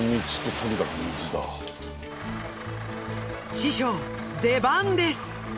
師匠出番です！